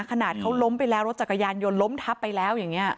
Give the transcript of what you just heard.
ขนาดเขาล้มไปแล้วรถจักรยานยนต์ล้มทับไปแล้วอย่างนี้